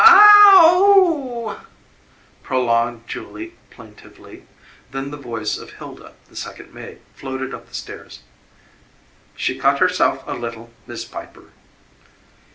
"Ah h h ow!" prolonged Julie plaintively. Then the voice of Hilda, the second maid, floated up the stairs. "She cut herself a little, Mis' Piper."